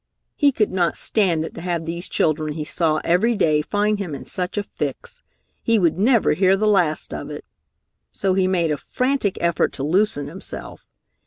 He could not stand it to have these children he saw every day find him in such a fix. He would never hear the last of it. So he made a frantic effort to loosen himself.